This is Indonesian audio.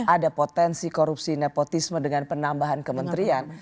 ada potensi korupsi nepotisme dengan penambahan kementerian